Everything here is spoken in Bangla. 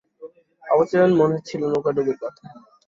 অবচেতন মনে ছিল নৌকাডুবির কথা।